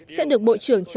sẽ được bộ trưởng trả lời